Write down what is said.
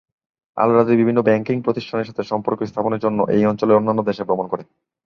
আল Rajhi বিভিন্ন banking প্রতিষ্ঠানের সাথে সম্পর্ক স্থাপনের জন্য এই অঞ্চলের অন্যান্য দেশে ভ্রমণ করে।